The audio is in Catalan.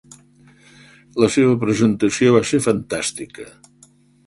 La seva presentació va ser fantàstica!